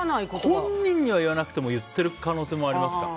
本人には言わなくても言ってる可能性もありますかね。